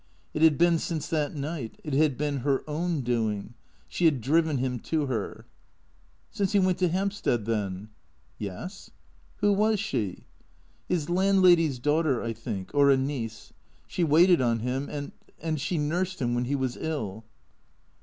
It had been since that night. It had been her own doing. She had driven him to her. " Since he went to Hampstead then ?"" Yes." " Who was she ?"" His landlady's daughter, I think, or a niece. She waited on him and — she nursed him when he was ill."